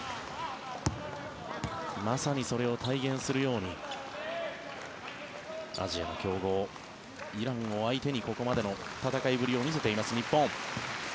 まさにそれを体現するようにアジアの強豪イランを相手にここまでの戦いぶりを見せています、日本。